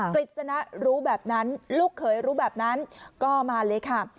กฤษณะรู้แบบนั้นลูกเขยรู้แบบนั้นก็มาเลยค่ะ